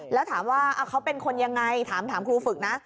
แล้วถามว่าเขาเป็นคนยังไงถามครูฝึกนะ